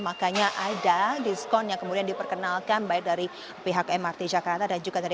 makanya ada diskon yang kemudian diperkenalkan baik dari pihak mrt jakarta